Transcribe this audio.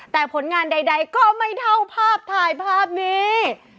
แต่ผลงานใดก็ไม่เท่าภาพถ่ายภาพนี้